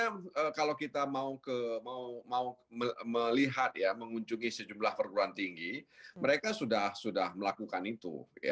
sebenarnya kalau kita mau melihat ya mengunjungi sejumlah perguruan tinggi mereka sudah melakukan itu